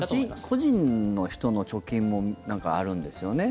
個人の人の貯金もなんか、あるんですよね？